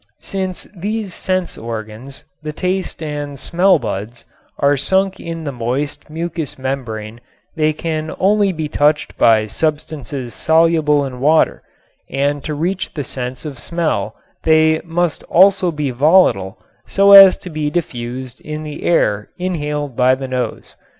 Since these sense organs, the taste and smell buds, are sunk in the moist mucous membrane they can only be touched by substances soluble in water, and to reach the sense of smell they must also be volatile so as to be diffused in the air inhaled by the nose.